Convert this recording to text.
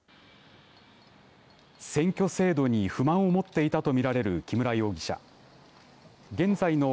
選挙制度に不満を持っていたと見られる木村容疑者。